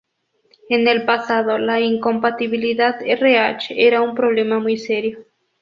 En el pasado, la incompatibilidad Rh era un problema muy serio.